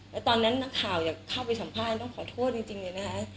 แล้วตอนนั้นนักข่าวอยากเข้าไปสัมภาษณ์ต้องขอโทษจริงเลยนะคะ